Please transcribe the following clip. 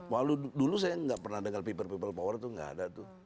walau dulu saya nggak pernah dengar people people power itu nggak ada tuh